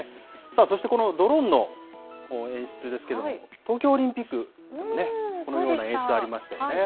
そしてこのドローンの演出ですけれども、東京オリンピックでもね、このような演出、ありましたよね。